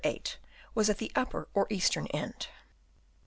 8) was at the upjDer or eastern end.